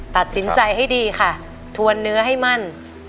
ตัดสินใจให้ดีค่ะทวนเนื้อให้มั่น